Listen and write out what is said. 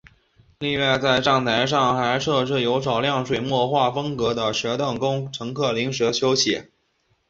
另外在站台上还设置有少量水墨画风格的石凳供乘客临时休息。